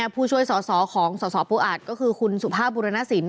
ผู้ช่วยส่อของส่อผู้อ่านคือคุณสุภาพบุรนศสิน